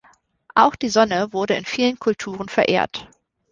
Auch die Sonne wurde in vielen Kulturen verehrt.